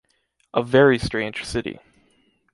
A very strange city.